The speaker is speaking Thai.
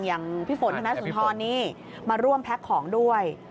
อย่างพี่ฝนธนสุนทรนี่มาร่วมแพ็คของด้วย